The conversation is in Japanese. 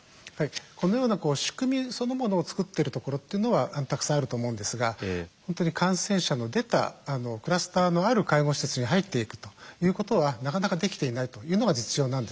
このような仕組みそのものを作ってるところっていうのはたくさんあると思うんですが本当に感染者の出たクラスターのある介護施設に入っていくということはなかなかできていないというのが実情なんですね。